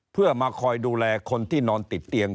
เพื่อมาคอยดูแลคนที่นอนติดเตียง